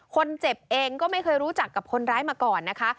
คนเจ็บเองก็ไม่เคยรู้จักกับคนร้ายมาก่อนนะคะ